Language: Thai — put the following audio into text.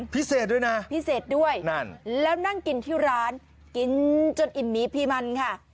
พิเศษด้วยนะพิเศษด้วยนั่นแล้วนั่งกินที่ร้านกินจนอิ่มหมีพีมันค่ะ